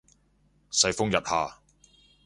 世風日下